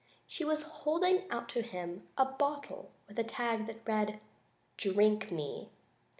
She was holding out to him a bottle with a tag that read: "DRINK ME."